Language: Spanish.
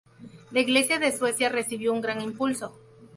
La Iglesia de Suecia recibió un gran impulso.